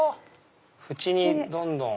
縁にどんどん。